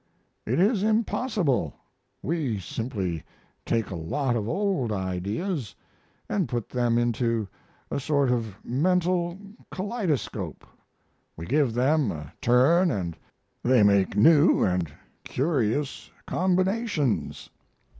It is impossible. We simply take a lot of old ideas and put them into a sort of mental kaleidoscope. We give them a turn and they make new and curious combinations.